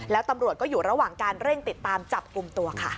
แล้วตำรวจก็อยู่ระหว่างการเร่งติดตามจับกลุ่มตัวค่ะ